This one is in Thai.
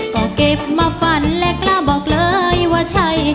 ก็เก็บมาฝันและกล้าบอกเลยว่าใช่